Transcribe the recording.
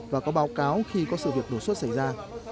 và có báo cáo khi có sự việc đột xuất xảy ra